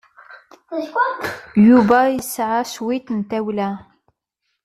Yuba yesɛa cwiṭ n tawla.